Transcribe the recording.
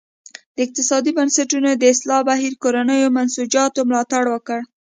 د اقتصادي بنسټونو د اصلاح بهیر کورنیو منسوجاتو ملاتړ وکړ.